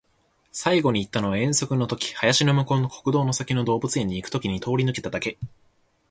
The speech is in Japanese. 最後に行ったのは遠足の時、林の向こうの国道の先の動物園に行く時に通り抜けただけ